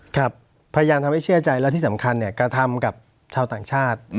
พยายามทำให้เชื่อใจและที่สำคัญเนี่ยกระทำกับชาวต่างชาติ